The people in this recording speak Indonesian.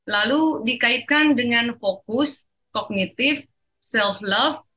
lalu dikaitkan dengan fokus kognitif self love